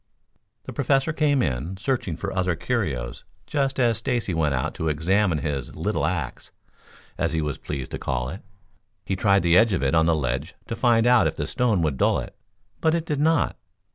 The Professor came in, searching for other curios just as Stacy went out to examine his "little axe," as he was pleased to call it. He tried the edge of it on the ledge to find out if the stone would dull it, but it did not.